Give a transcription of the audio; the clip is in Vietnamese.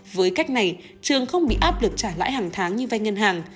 với cách này trường không bị áp lực trả lại hàng tháng như vai ngân hàng